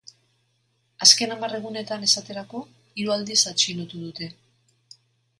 Azken hamar egunetan, esaterako, hiru aldiz atxilotu dute.